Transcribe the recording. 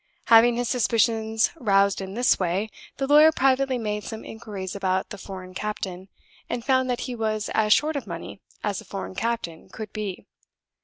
Having his suspicions roused in this way, the lawyer privately made some inquiries about the foreign captain, and found that he was as short of money as a foreign captain could be.